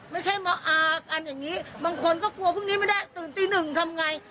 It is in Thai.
ไม่ใช่มาอากันอย่างนี้บางคนก็กลัวพรุ่งนี้ไม่ได้ตื่นตีหนึ่งทำไง